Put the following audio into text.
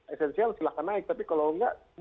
esensial silahkan naik tapi kalau enggak